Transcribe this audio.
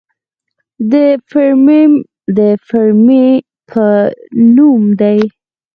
د فیرمیم د فیرمي په نوم دی.